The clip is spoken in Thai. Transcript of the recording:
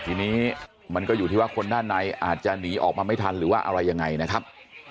ทีนี้มันก็อยู่ที่ว่าคนด้านในอาจจะหนีออกมาไม่ทันหรือว่าอะไรยังไงนะครับ